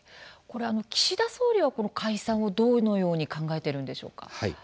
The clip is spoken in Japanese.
岸田総理は解散をどのように考えているんでしょうか。